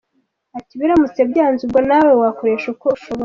Ati “biramutse byanze ubwo nawe wakoresha uko ushoboye .